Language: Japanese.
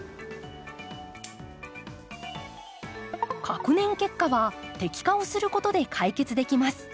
隔年結果は摘果をすることで解決できます。